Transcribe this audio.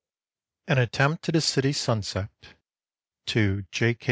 AN ATTEMPT AT A CITY SUNSET (to j.